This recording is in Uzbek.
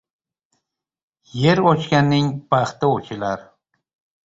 Yer ochganning baxti ochilar.